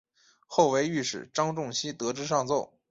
后为御史张仲炘得知上奏。